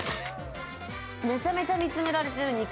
めちゃめちゃ見つめられてる肉。